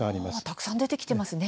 たくさん出てきていますね。